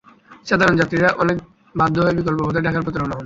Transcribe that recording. সাধারণ যাত্রীরা অনেক বাধ্য হয়ে বিকল্প পথে ঢাকার পথে রওনা হন।